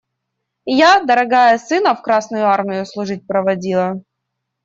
Я, дорогая, сына в Красную Армию служить проводила.